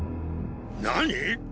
何⁉